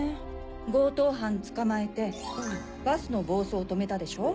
強盗犯捕まえてバスの暴走を止めたでしょ。